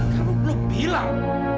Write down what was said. kamu belum bilang